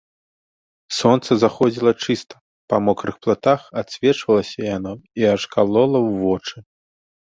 Сонца заходзіла чыста, па мокрых платах адсвечвалася яно і аж калола ў вочы.